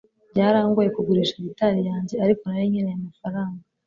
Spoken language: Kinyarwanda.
byarangoye kugurisha gitari yanjye, ariko nari nkeneye amafaranga